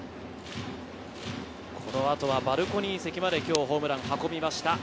この後はバルコニー席まで今日、ホームランを運びました。